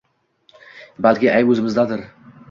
Balki ayb oʻzimizdadir